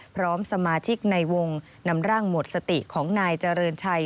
พร้อมสมาชิกในวงนำร่างหมดสติของนายเจริญชัย